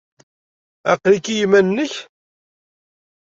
Aql-ik i yiman-nnek?